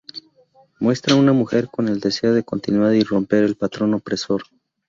Muestra una mujer con el deseo de continuar y romper del patrón opresor.